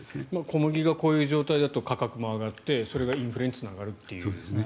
小麦がこういう状態だと価格も上がってそれがインフレにつながるということですね。